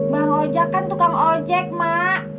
bang ojek kan tukang ojek mak